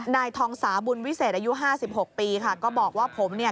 นายทองสาบุญวิเศษอายุห้าสิบหกปีค่ะก็บอกว่าผมเนี่ย